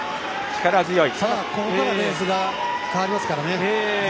ここからレースが変わりますからね。